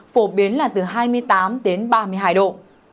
phổ biến là từ hai mươi tám đến ba mươi hai độ